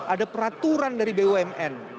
ada peraturan dari bumn